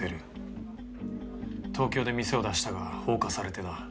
東京で店を出したが放火されてな。